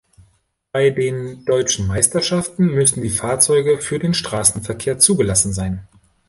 Bei den Deutschen Meisterschaften müssen die Fahrzeuge für den Straßenverkehr zugelassen sein.